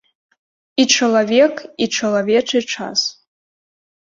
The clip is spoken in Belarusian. І чалавек, і чалавечы час.